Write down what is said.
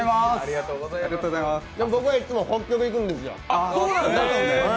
僕はいつも北極いくんですよ。